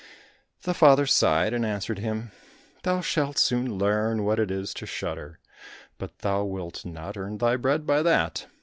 The father sighed, and answered him "thou shalt soon learn what it is to shudder, but thou wilt not earn thy bread by that."